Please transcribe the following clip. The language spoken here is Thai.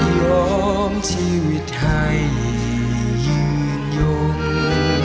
ยอมชีวิตให้ยืนยม